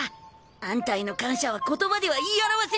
あんたへの感謝は言葉では言い表せないよ。